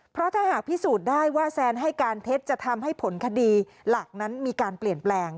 เพราะถ้าหากพิสูจน์ได้ว่าแซนให้การเท็จจะทำให้ผลคดีหลักนั้นมีการเปลี่ยนแปลง